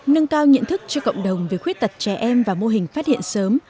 nâng cao nhận thức cho cộng đồng về khuyết tật trẻ em và mô hình phát hiện sớm